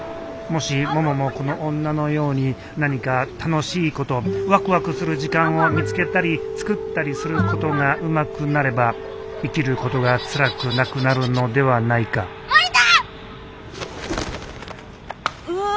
もしもももこの女のように何か楽しいことワクワクする時間を見つけたり作ったりすることがうまくなれば生きることがつらくなくなるのではないかうわ！